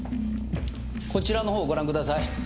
こちらの方をご覧ください。